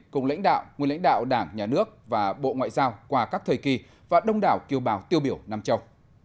cùng lãnh đạo nguyên lãnh đạo đảng nhà nước và bộ ngoại giao qua các thời kỳ và đông đảo kiều bào tiêu biểu nam châu